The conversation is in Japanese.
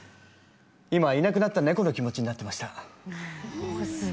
今いなくなったネコの気持ちになってました